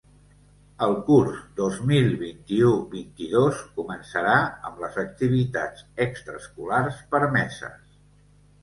El curs dos mil vint-i-u-vint-i-dos començarà amb les activitats extraescolars permeses.